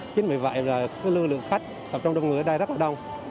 chính vì vậy lượng khách tập trung đông người ở đây rất là đông